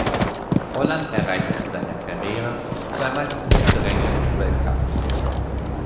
Holland erreichte in seiner Karriere zweimal die Punkteränge im Weltcup.